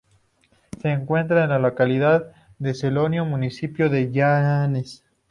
Se encuentra en la localidad de Celorio, municipio de Llanes.